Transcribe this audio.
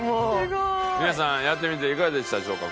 皆さんやってみていかがでしたでしょうか？